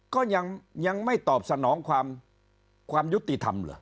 ก็ยังไม่ตอบสนองความยุติธรรมเหรอ